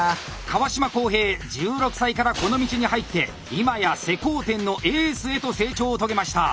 川島滉平１６歳からこの道に入って今や施工店のエースへと成長を遂げました！